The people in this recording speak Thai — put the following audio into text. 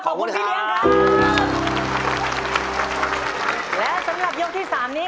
ขอบคุณค่ะพี่เนียงครับสำหรับยกที่๓นี้